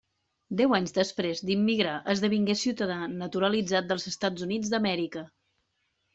Deu anys després d'immigrar esdevingué ciutadà naturalitzat dels Estats Units d'Amèrica.